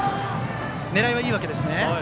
狙いはいいわけですね。